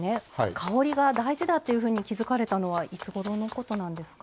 香りが大事だっていうふうに気付かれたのはいつごろのことなんですか？